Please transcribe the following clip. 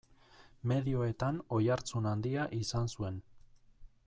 Medioetan oihartzun handia izan zuen.